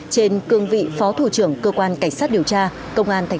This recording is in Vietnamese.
trên cương vị phó thủ trưởng cơ quan cảnh sát điều tra công an tp hcm